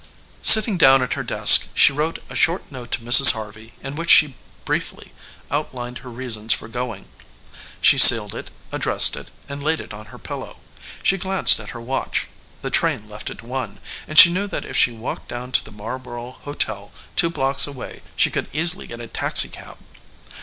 Sitting down at her desk she wrote a short note to Mrs. Harvey, in which she briefly outlined her reasons for going. She sealed it, addressed it, and laid it on her pillow. She glanced at her watch. The train left at one, and she knew that if she walked down to the Marborough Hotel two blocks away she could easily get a taxicab.